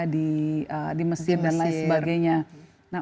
di mesir dan lain sebagainya